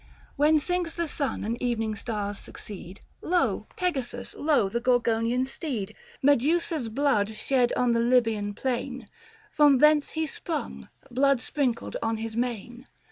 When sinks the sun and evening stars succeed, Lo ! Pegasus — lo ! the Gorgonian steed. Medusa's blood shed on the Libyan plain, From thence he sprung, blood sprinkled on his mane.